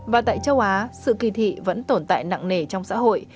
và tại châu á sự kỳ thị vẫn tồn tại nặng nề trong xã hội